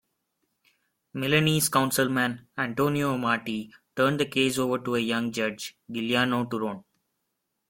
Milanese Councilman Antonio Amati turned the case over to a young judge, Giuliano Turone.